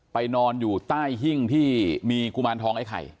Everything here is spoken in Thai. นอนอยู่ใต้หิ้งที่มีกุมารทองไอ้ไข่